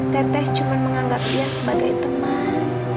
teteh hanya menganggapnya sebagai teman